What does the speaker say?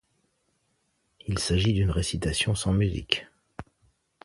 Il s'agit d'une récitation sans musique.